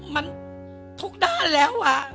มันทุกด้านแล้ว